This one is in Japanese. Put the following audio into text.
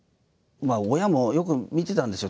親もよく見てたんですよ。